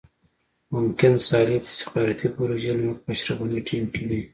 ممکن صالح د استخباراتي پروژې له مخې په اشرف غني ټيم کې وي.